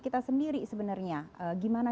kita sendiri sebenarnya gimana